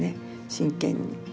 真剣に。